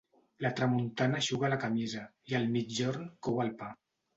La tramuntana eixuga la camisa i el migjorn cou el pa.